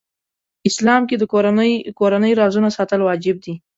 اسلام کې د کورنۍ رازونه ساتل واجب دي .